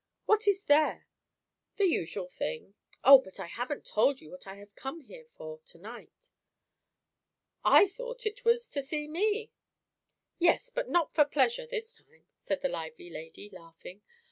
"What is there?" "The usual thing. O, but I haven't told you what I have come here for to night." "I thought it was, to see me." "Yes, but not for pleasure, this time," said the lively lady, laughing.